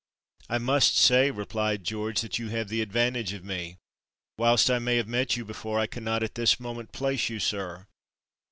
"I must say," replied George, "that you have the advantage of me. Whilst I may have met you before, I cannot at this moment place you, sir."